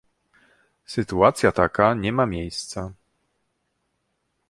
Sytuacja taka nie ma miejsca